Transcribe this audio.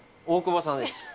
大久保さんです。